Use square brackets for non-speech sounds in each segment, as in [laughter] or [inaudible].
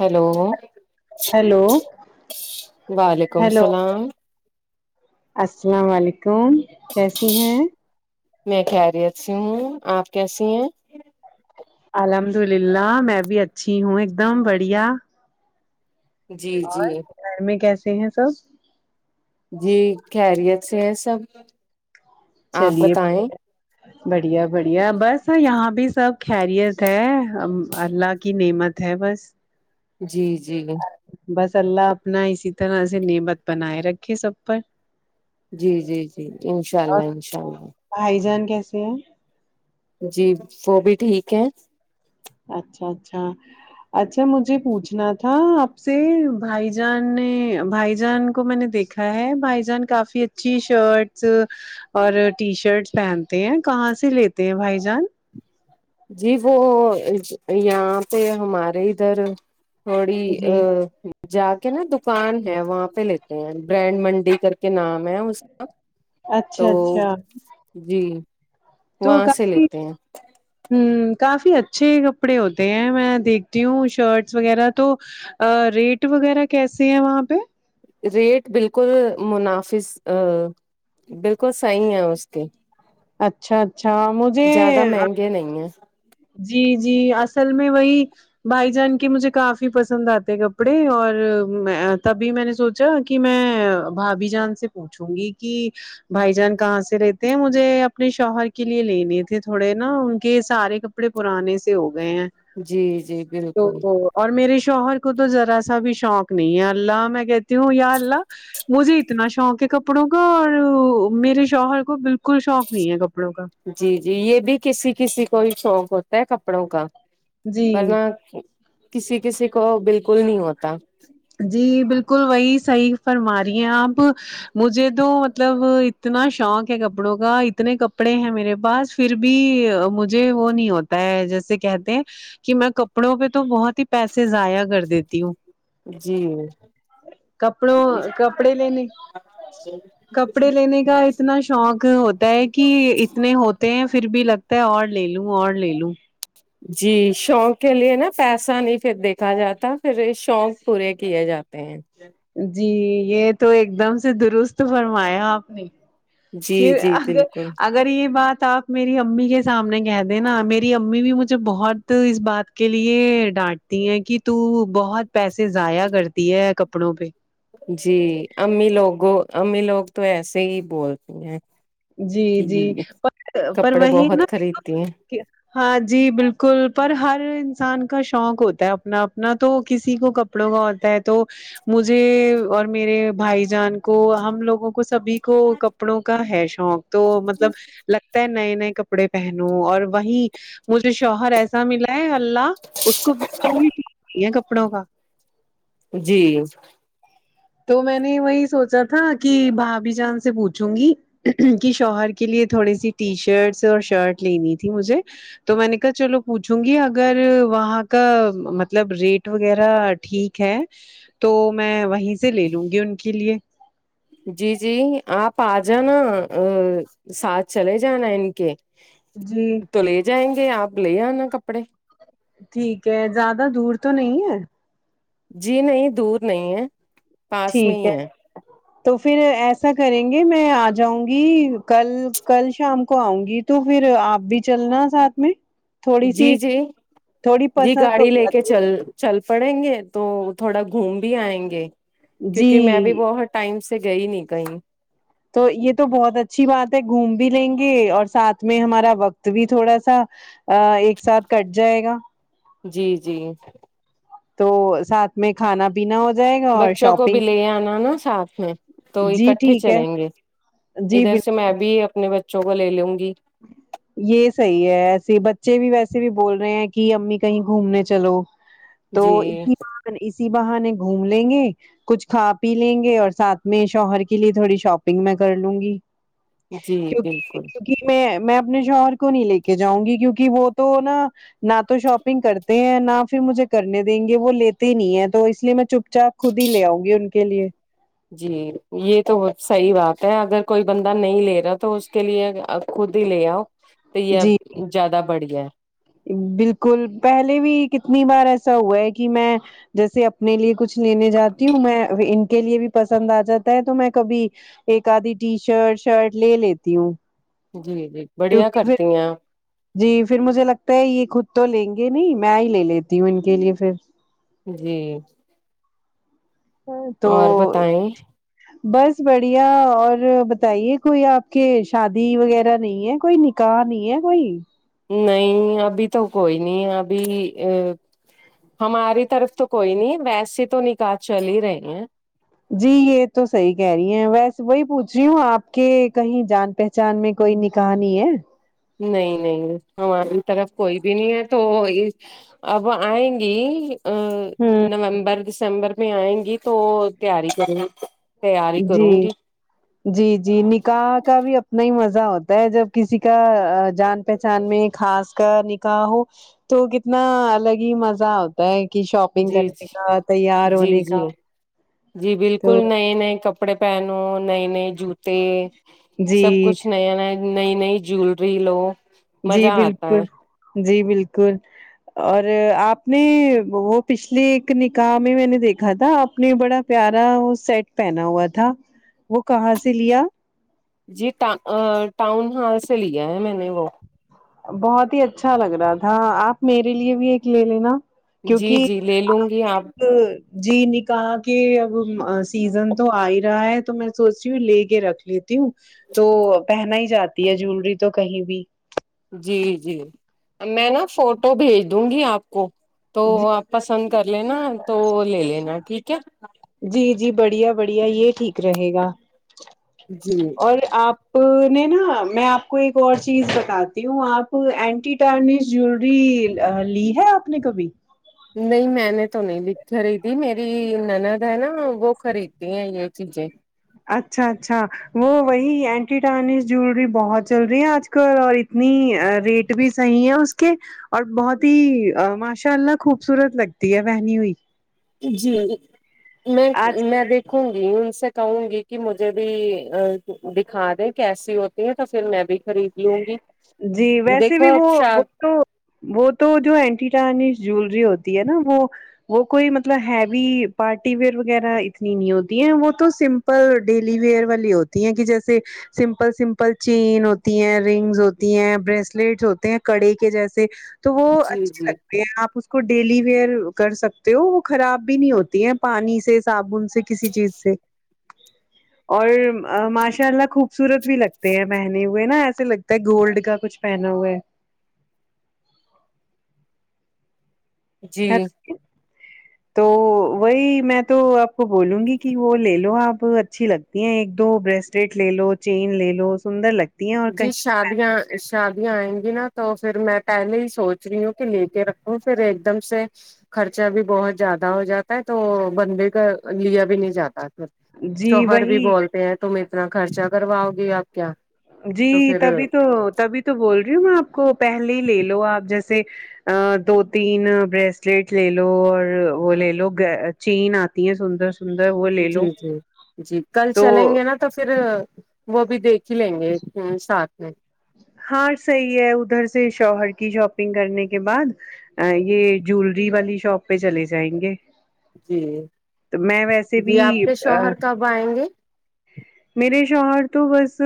hello hello وعلیکم hello السلام السلام علیکم کیسی ہیں میں خیریت سے ہوں آپ کیسی ہیں الحمد للہ میں بھی اچھی ہوں ایک دم بڑھیا جی اور جی گھر میں کیسے ہیں سب جی خیریت سے ہے سب آپ چلیے بتائیں بڑھیا بڑھیا بس یہاں بھی سب خیریت ہے اللہ کی نعمت ہے بس جی جی بس اللہ اپنا اسی طرح سے نعمت بنائے رکھے سب پر جی جی جی انشاء اللہ انشاء اللہ ہھائی جان کیسے ہیں جی وہ بھی ٹھیک ہے اچھا اچھا اچھا مجھے پوچھنا تھا آپ سے بھائی جان نے بھائی جان کو میں نے دیکھ دکھا ہے بھائی جان کافی اچھی شرٹس اور ٹی شرٹ پہنتے ہیں کہاں سے لیتے ہیں بھائی جان جی وہ یہاں پہ ہمارے ادھر تھوڑی جی جا کے نا دوکان ہے وہاں پہ لیتے ہیں برینڈ منڈی کر کے نام ہے تو اچھا اچھا جی تو وہاں سے لیتے ہیں [unintelligible] ہوں کافی اچھے کپڑے ہوتے ہیں میں دیکھتی ہوں شرٹ وغیرہ تو ا ریٹ وغیرہ کیسی ہے وہاں پہ ریٹ بالکل منافس بالکل صحیح ہیں اس کے اچھا اچھا مجھے زیادہ مہنگے نہیں ہیں جی جی اصل میں وہی بھائی جان کے مجھے کافی پسند آتے کپڑے اور تبھی میں نے سو چا کہ میں بھابھی جان سے پوچھوں گی کہ بھائی جان کہاں سے لےتے ہیں مجھے اپنے شوہر کے لیے لینے تھے تھوڑے نا ان کے سارے کپڑے پرانے سے ہو گئے ہیں جی جی بلکل تو اور میرے شوہر کو تو ذرا سا بھی شوق نہیں ہے اللہ میں کہتی ہوں یا اللہ مجھے اتنا شوق ہے کپڑوں کا اور میرے شوہر کو بلکل شوق نہیں ہے کپڑوں کا جی جی یہ بھی کسی کسی کو ہی شوق ہوتا ہے کپڑوں کا جی ورنہ کسی کسی کو بلکل نہیں ہوتا جی بلکل وہی صحیح فرما رہی ہیں آپ مجھے تو مطلب اتنا شوق ہے کپڑوں کا اتنے کپڑے ہیں میرے پاس پھر بھی مجھے وہ نہیں ہوتا جیسے کہتے ہیں کہ میں کپڑوں پہ تو بہت ہی پیسے ضائع کر دیتی ہوں جی کپڑوں کپڑے لینے کپڑے لینے کا اتنا شوق ہوتا ہے کہ اتنے ہوتے ہیں پھر بھی لگتا ہے اور لےلوں اور لےلوں جی شوق کے لیے نا پیسہ نہیں دیکھا جاتا پھر شوق پورے کیے جاتے ہیں جی یہ تو ایک دم سے درست فرمایا آپ نے کہ جی جی اگر بالکل اگر یہ بات آپ میری امی کے سامنے کہہ دینا میری امی بھی مجھے بہت اس بات کے لیے ڈانٹ تی ہیں کہ تو بہت پیسے ضائع کرتی ہے کپڑوں پہ جی امی لوگوں امی لوگ تو ایسے ہی بولتی ہیں جی کہ جی پر پر کپڑے وہی ہے نا بہت خریدتی ہیں ہاں جی بالکل پر ہر انسان کا شوق ہوتا ہے اپنا اپنا تو کسی کو کپڑوں کا ہوتا ہے تو مجھے اور میرے بھائی جان کو ہم لوگوں کو سبھی کو کپڑوں کا ہے شوق تو مطلب لگتا ہے نئے نئے کپڑے پہنو اور وہیں مجھے شوہر ایسا ا ملاے اللہ اس کو یہ کپڑوں کا جی تو میں نے وہی سوچا تھا کہ بھا بھی جان سے پوچھوں گی کی شوہر کے لیے تھوڑی سی ٹی شرٹس اور شرٹ لینی تھی مجھے تو میں نے کہا چلو پوچھوں گی اگر وہاں کا مطلب ریٹ وغیرہ ٹھیک ہے تو میں وہیں سے لےلونگی ان کے لیے جی جی آپ آ جانا ساتھ چلے جانا ان کے جی تو لے جائیں گے آپ لے آنا کپڑے ٹھیک ہے زیادہ دور تو نہیں ہے جی نہیں دور نہیں ہے پاس میں ٹھیک ہے ہی تو پھر ایسا کریں گے میں آ جاؤں گی کل کل شام کو آؤں گی تو پھر آپ بھی چلنا ساتھ میں تھوڑی جی سی جی تھوڑی جی پسند ہو گاڑی لے جاتی کے چل چل پڑیں گے تو تھوڑا گھوم بھی آئیں گے کیونکہ میں بھی جی بہت ٹائم سے گئی نہیں کہیں تو یے تو بہت اچھی بات ہے گھوم بھی لیں گے اور ساتھ میں ہمارا وقت بھی تھوڑا سا آ ایک ساتھ کٹ جائے گا جی جی تو ساتھ میں کھانا پینا ہو جائے گا اور بچوں کو بھی شاپنگ لے آنا نا ساتھ میں تو جی اکٹھے ٹھیک ہے چلیں گے جی بالکل تو میں بھی اپنے بچوں کو لے لوں گی یے صحیح ہے ایسے بچے بھی ویسے بھی بول رہے ہیں کی امی کہیں گھومنے چلو تو جی اسی بہانے اسی بہانے گھوم لیں گے کچھ کھا پی لیں گے اور ساتھ میں شوہر کے لیے تھوڑی شاپنگ میں کرلوں گی جی کیونکی بالکل کیونکی میں میں اپنے شوہر کو نہیں لے کے جاؤں گی کیونکی وہ تو نا نہ تو شاپنگ کرتے ہیں نہ پھر مجھے کرنے دیں گے وہ لیتے ہی نہیں ہے تو اس لیے میں چپ چاپ خود ہی لے آؤں گی ان کے لیے جی یے تو صحیح بات ہے اگر کوئی بندہ نہیں لے رہا تو اس کے لیے خود ہی لے آؤ تو یے جی زیاد بڑھیا ہے بالکل پہلے بھی کتنی بار ایسا ہوا ہے کی میں جیسے اپنے لیے کچھ لینے جاتی ہوں میں انکے لیے بھی پسند آجاتا ہے تو میں کبھی ایک آدھی ٹی شرٹ شرٹ لے لیتی ہوں جی جی بڑیا کیونکہ پھر کرتی ہیں آپ جی پھر مجھے لگتا ہے یے خود تو لیں گے نہیں میں ہی لے لیتی ہوں ان کے لیے پھر جی تو اور بتائیں بس بڑھیا اور بتائیے کوئی آپ کے شادی وغیرہ نہیں ہے کوئی نکاح نہیں ہے کوئی نہیں ابھی تو کوئی نہیں ابھی ا ہماری طرف تو کوئی نہیں ویسے تو نکاح چل ہی رہے ہیں جی یے تو صحیح کہہ رہی ہیں ویس وہی پوچھ رہی ہوں آپ کے کہیں جان پہچان میں کوئی نکاح نہیں ہے نہیں نہیں ہماری طرف کوئی بھی نہیں ہے تو اب آئیں گی آ ہمم نومبر دسمبر میں آئیں گی تو تیاری کریں گی جی جی جی نکاح کا بھی اپنا ہی مزہ ہوتا ہے جب کسی کا جان پہچان میں خاص کا نکاح ہو تو کتنا الگ ہی مزہ ہوتا تا کی شاپنگ جی کرنے جی کا تیار جی ہونے جی کا جی بالکل تو نئے نئے کپڑ پڑے پہنو نئے نئے جوتے سب جی کچھ نیا نیا نئی نئی جولری لو جی مزہ آتا بالکل ہے جی بالکل اور آپ نے وہ پچھلے ایک نکاح میں میں نے دیکھا تھا آپ نے بڑا پیارا وہ سیٹ پہنا ہوا تھا وہ کہاں سے لیا جی ٹا ٹاؤن ہال سے لیا ہے میں نے وہ بہت ہی اچھا لگ رہا تھا آپ میرے لیے بھی ایک لے لینا جی جی لے لوں گی آپ ہوں جی نکاح کہ اب سیزن تو آ ہی رہا ہے تو میں سوچتی ہوں لے کے رکھ لیتی ہوں تو پہنا ہی جاتی ہے جوولری تو کہیں بھی جی جی میں نا فوٹو بھیج دوں گی آپ کو تو جی آپ پسند کر لینا تو لے لینا ٹھیک ہے جی جی بڑھیا بڑھیا یہ ٹھیک رہے گا جی اور آپ نہیں نا میں آپ کو ایک اور چیز بتاتی ہوں آپ اینٹی جولری لی ہے آپ نے کبھی نہیں میں نے تو نہیں خریدی میری نند ہے نا وہ خریدتی ہیں یہ چیزیں اچھا اچھا وہ وہی اینٹیٹس جوولری بہت چل رہی ہے آج کل اور اتنی ریٹ بھی صحیح ہے اس کے اور بہت ہی ماشاء اللہ خوبصورت لگتی ہے بنی ہوئی جی میں آج میں دیک دیکھوں گی ان سے کہوں گی کہ مجھے بھی دکھا دیں کیسی ہوتی ہیں تو پھر میں بھی خرید لوں گی جی ویسے دیکھو بھی وہ شا تو وہ تو جو اینٹینیس جوولری ہوتی ہے نا وہ وہ کوئی مطلب ہیوی پارٹی ویئر وغیرہ اتنی نہیں ہوتی ہیں وہ تو سم سل ڈیلی ویئر والی ہوتی ہیں کہ جیسے سمپل سمپل چینین ہوتی ہیں رنگز ہو ہوتی ہیں بریسلیٹس ہوتے ہیں کڑے کے جیسے تو وہ جی اچھا جی لگ آپ اس کو ڈیلی ویئر کر سکتے ہو وہ خراب بھی نہیں ہوتی ہے پانی سے صابن سے کسی چیز سے اور ماشاء اللہ خوبصورت بھی لگتے ہیں پہنے ہوئے نا ایسے لگتا ہے کہ گولڈ کا کچھ پہنا ہوا ہے جی تو وہی میں تو آپ کو بولوں گی کہ وہ لے لو آپ اچھی لگتی ہیں ایک دو بریسٹیٹ لے لو چین لے لو سندر لگتا جی شادیاں شادیاں آئیں گی نا تو پھر میں پہلے ہی سوچ رہی ہوں کہ لے کے رکھوں پھر ایک دم سے خرچہ بھی بہت زیادہ ہو جاتا ہے تو بندے کا لیا بھی نہیں جاتا جی شوہر بھی وہی بولتے ہیں تم اتنا خرچا کرواؤ گی آپ کیا جی تو پھر تبھی تو تبھی تو بول رہی ہوں میں آپ کو پہلے ہی لے لو آپ جیسے دو تین بریسلٹ لے لو اور وہ لے لو چین آتی ہے سندر سندر وہ لے جی لو جی جی کل تو چلیں گے نا تو پھر وہ بھی دیکھ ہی لیں گے ساتھ میں ہاں صحیح ہے ادھر سے شوہر کی شاپنگ کرنے کے بعد یہ جوولری والی شاپ پہ چلے جائیں گے جی تو میں ویسے بھی جی آپ کے ا شوہر کب آئیں گے میرے شوہر تو بس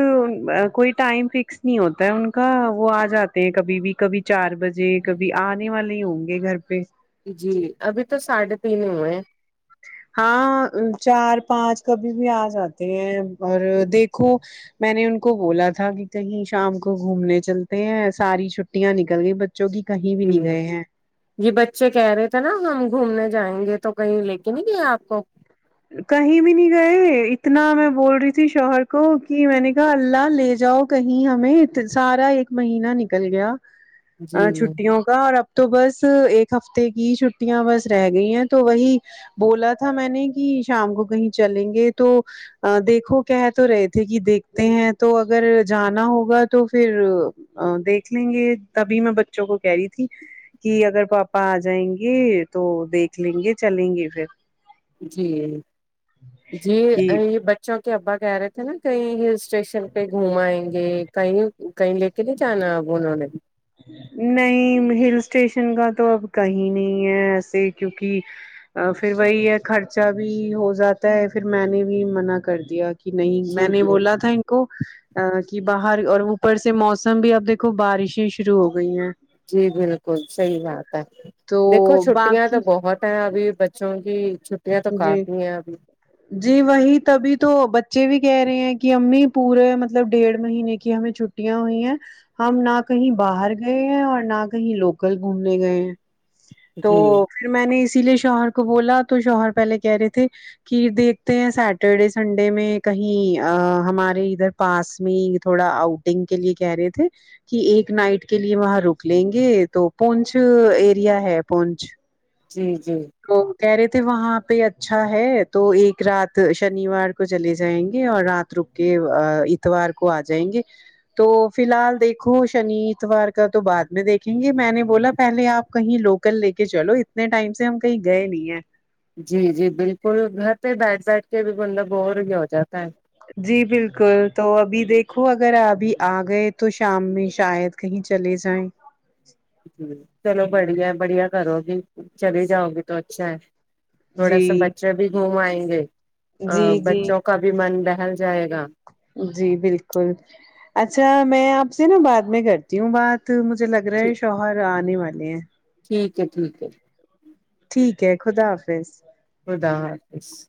کوئی ٹائم فکس نہیں ہوتا ہوتا ہے ان کا وہ آ جاتے ہیں کبھی بھی کبھی چار بجے کبھی آنے والے ہی ہوں گے گھر پہ جی ابھی تو ساڑھے تین ہی ہوئے ہیں ہاں چار پانچ کبھی بھی آ جاتے ہیں اور دیکھو میں نے ان کو بولا تھا کہ کہیں شام کو گھومنے چلتے ہیں ساری چھٹیاں نکل گئی جوک کہیں بھی جی نہیں گئے ہیں یہ بچے کہہ رہے تھے نا ہم گھومنے جائیں گے تو کہیں لے کے نہیں گے آپ کو کہیں بھی نہیں گئے اتنا میں بول رہی تھی شوہر کو کہ میں نے کہا اللہ لے جاؤ کہیں ہمیں سارا ایک مہینہ نکل گیا جی چھٹیوں اور اب تو بس ایک ہفتے کی چھٹیاں بس رہ گئی ہیں تو وہی بولا تھا میں نے کہ شام کو کہیں چلیں گے تو دیکھو کہہ تو رہے تھے کہ دیکھتے ہیں تو اگر جانا ہوگا تو پھر ا دیکھ لیں گے تبھی میں بچوں کو کہہ رہی تھی کہ اگر پاپا آ جائیں گے تو دیکھ لیں گے چلیں گے پھر جی جی کہ یہ ب چونکہ ابا کہہ رہے تھے نا کہیں ہل اسٹیشن پہ گھمائیں گے کہیں کہیں لے کے نہیں جانا بولنے نہیں ہل اسٹیشن کا تو اب کہیں نہیں ہے ایسے کیونکہ پھر وہی ہے خرچہ بھی ہو جاتا ہے پھر میں نے بھی منع کر دیا کہ نہیں جی میں نے جی بولا تھا کو کہ باہر اور اوپر سے موسم بھی اب دیکھو بارشیں شروع ہو گئی ہیں جی بالکل سحی بات ہے تو دیکھو چھٹیا باقی تو بہت ابھی بچوں کی چھٹیاں تو جی کافی ہیں ابھی جی وہی تبھی تو بچے بھی کہہ رہے ہیں کہ امی پورے مطلب ڈیڑھ مہینے کی ہمیں چھ چھٹیاں ہوئی ہیں ہم نہ کہیں باہر گئے ہیں اور نہ کہیں لوکل گھومنے گئے ہیں تو [inaudible] پھر میں نے اسی لیے شوہر کو بولا تو شوہر پہلے کہہ رہے تھے ک دیکھتے ہیں سیٹرڈے سنڈے میں کہیں ہمارے ادھر پاس میں تھوڑا آؤٹنگ کے لیے کہہ رہے تھے کہ ایک نائٹ کے لیے وہاں رک لیں گے تو پنچ ایریا ہے پنچ جی جی وہ کہہ رہے تھے وہاں پہ اچھا ہے تو ایک رات شنیوار کو چلے جائیں گے اور رات رک کے اتوار کو آ جائیں گے تو فی الحال دیکھو شنی اتوار کا تو بعد میں دیکھ کین گے میں نے بولا پہلے آپ کہیں لوکل لے کے چلو اتنے ٹائم سے ہم کہیں گئے نہیں ہیں جی جی بالکل گھر پہ بیٹھ بیٹھ کے بھی بندہ بور ہی ہو جاتا ہے جی بالکل تو ابھی دیکھو اگر ابھی آ گئے تو شام میں شاید کہیں چلے جائیں جی چلو بڑیا بڑیا کرو گی چلی جاؤ گی تو اچھا ہے تھوڑا جی سا بچے بھی گھوم ائیں گے ا جی جی بچوں کو کا بھی من بہل جائے گا جی بالکل اچھا میں آپ سے نا بعد میں کرتی ہوں بات تو مجھے لگ رہا ہے شوہر آنے والے ہیں ٹھیک ہے ٹھیک ہے ٹھیک ہے خدا حافظ خدا حافظ